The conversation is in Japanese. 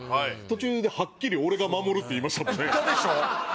途中でハッキリ「俺が守る」って言いましたもんね